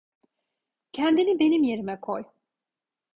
Kendini benim yerime koy.